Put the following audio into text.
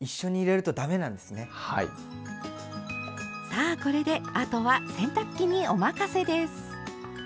さあこれであとは洗濯機にお任せです。